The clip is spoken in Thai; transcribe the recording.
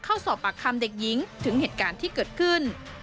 เข้าสอบปากคำเด็กหญิงถึงเหตุการณ์ที่เกิดขึ้น